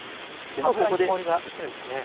油に香りが移るんですね。